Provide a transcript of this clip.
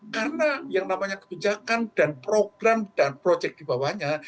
karena yang namanya kebijakan dan program dan projek di bawahnya